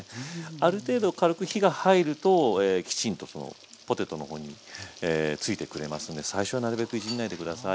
ある程度軽く火が入るときちんとポテトの方についてくれますので最初はなるべくいじんないで下さい。